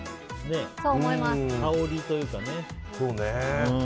香りというかね。